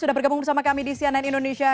sudah bergabung bersama kami di cnn indonesia